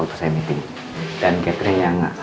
udah sempetin dateng